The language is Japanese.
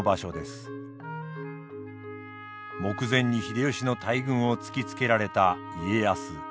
目前に秀吉の大軍を突きつけられた家康。